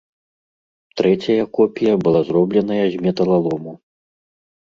Трэцяя копія была зробленая з металалому.